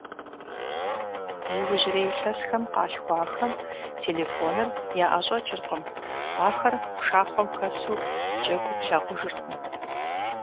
Иужьрей илъэсхэм къалъхуахэм телефоныр яӀэщӀэкӀыркъым, ахэр пшахъуэм хэсу джэгуу плъагъужыркъым.